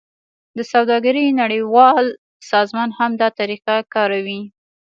د سوداګرۍ نړیوال سازمان هم دا طریقه کاروي